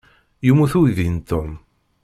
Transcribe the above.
Yemmut uydi n Tom.